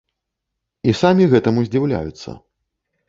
І самі гэтаму здзіўляюцца.